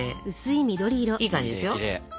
いい感じですよ。